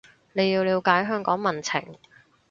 你要了解香港民情